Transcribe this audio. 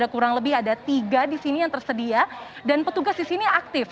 kurang lebih ada tiga di sini yang tersedia dan petugas di sini aktif